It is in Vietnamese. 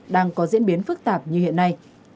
đang có diễn biến phức tạp như hiện nay